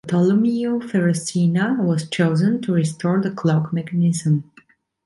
Bartolomeo Ferracina was chosen to restore the clock mechanism.